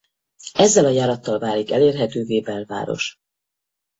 Ezzel a járattal válik elérhetővé Belváros.